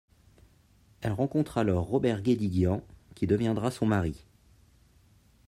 Elle rencontre alors Robert Guédiguian qui deviendra son mari.